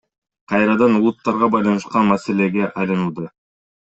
Кайрадан улуттарга байланышкан маселеге айланууда.